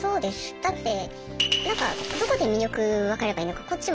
だってどこで魅力分かればいいのかこっちも。